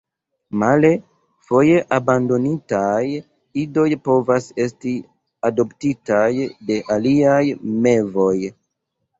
Male, foje abandonitaj idoj povas esti adoptitaj de aliaj mevoj.